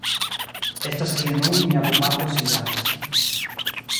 estas kie nun mia bopatro sidas.